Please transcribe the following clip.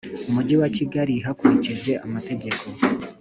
Mujyi wa Kigali hakurikijwe amategeko